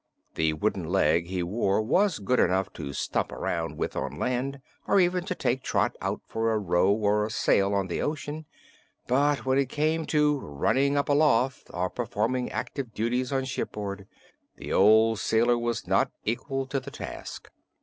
The wooden leg he wore was good enough to stump around with on land, or even to take Trot out for a row or a sail on the ocean, but when it came to "runnin' up aloft" or performing active duties on shipboard, the old sailor was not equal to the task.